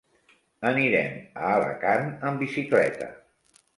Anirem a Alacant amb bicicleta.